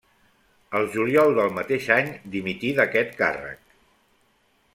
El juliol del mateix any dimití d'aquest càrrec.